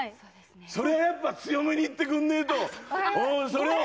それはやっぱ強めにいってくんねえと。